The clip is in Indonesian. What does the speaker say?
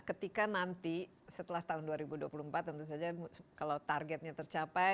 ketika nanti setelah tahun dua ribu dua puluh empat tentu saja kalau targetnya tercapai